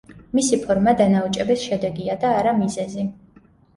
მისი ფორმა დანაოჭების შედეგია, და არა მიზეზი.